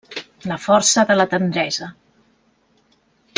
La força de la tendresa.